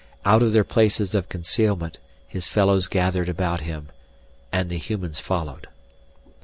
Out of their places of concealment, his fellows gathered about him. And the humans followed.